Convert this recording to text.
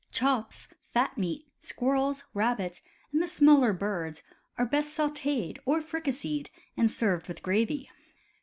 Chops, fat meats, squirrels, rabbits, and the smaller birds are best sauted or fricasseed and served with gravy.